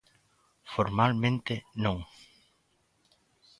Formalmente, non.